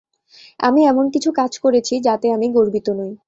আমি এমন কিছু কাজ করেছি যাতে আমি গর্বিত নই।